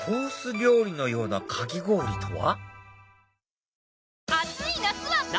料理のようなかき氷とは？